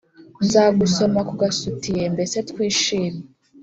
Nzagusoma kugasutiye mbese twishime